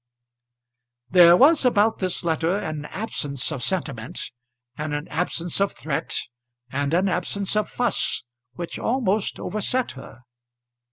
There was about this letter an absence of sentiment, and an absence of threat, and an absence of fuss, which almost overset her.